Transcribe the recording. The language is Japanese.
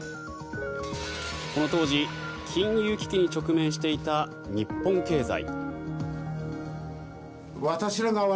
この当時、金融危機に直面していた日本経済。